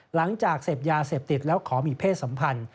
หลังจากเสพยาเสพติดแล้วขอมีเพศสัมพันธ์